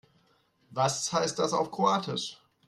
Was heißt das auf Kroatisch?